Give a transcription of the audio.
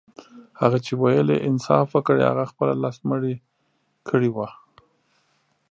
هغه چي ويل يې انصاف وکړئ هغه خپله لس مړي کړي وه.